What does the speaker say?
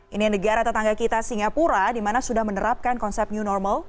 ini negara tetangga kita singapura di mana sudah menerapkan konsep new normal